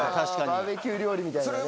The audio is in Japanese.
バーベキュー料理みたいなね。